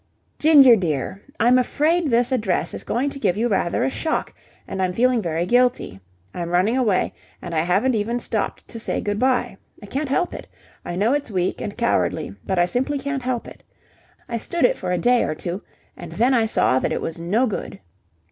"Ginger, dear I'm afraid this address is going to give you rather a shock, and I'm feeling very guilty. I'm running away, and I haven't even stopped to say good bye. I can't help it. I know it's weak and cowardly, but I simply can't help it. I stood it for a day or two, and then I saw that it was no good.